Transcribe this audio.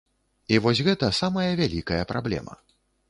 І вось гэта самая вялікая праблема.